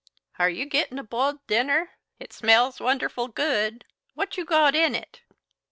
"Are you gittin' a b'iled dinner? It smells wonderful good. What you got in it?"